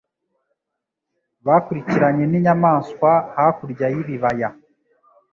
Bakurikiranye ninyamanswa hakurya y'ibibaya